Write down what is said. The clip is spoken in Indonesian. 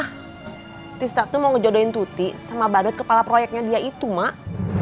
mak tisna tuh mau ngejodohin tuti sama badut kepala proyeknya dia itu mak